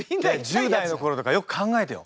１０代の頃とかよく考えてよ。